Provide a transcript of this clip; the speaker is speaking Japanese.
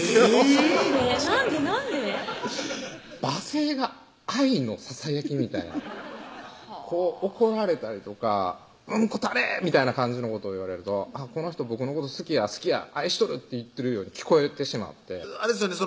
罵声が愛のささやきみたいなはぁ怒られたりとか「うんこたれ！」みたいな感じのことを言われるとこの人「僕のこと好きや好きや愛しとる」って言ってるように聞こえてしまってあれですよね